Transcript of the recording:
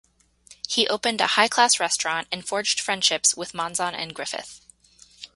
He opened a high-class restaurant and forged friendships with Monzon and Griffith.